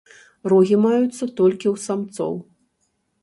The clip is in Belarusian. Рогі маюцца толькі ў самцоў.